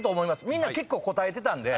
みんな結構答えてたんで。